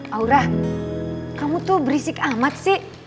aura kamu tuh berisik amat sih